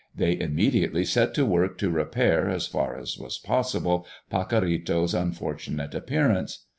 They immediately set to work to repair, as far as it was possible, Pacorrito's unfortunate appearance.